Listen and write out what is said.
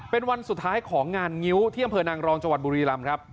เป็นวันสุดท้ายของงานงิ้วที่อำเภอนางรองจังหวัดบุรีรำครับ